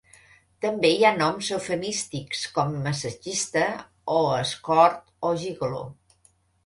També hi ha noms eufemístics, com massatgista o escort o gigoló.